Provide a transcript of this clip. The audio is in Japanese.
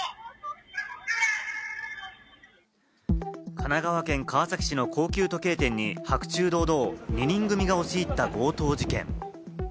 神奈川県川崎市の高級時計店に白昼堂々、２人組が押し入った強盗事件。